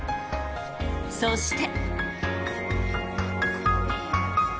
そして。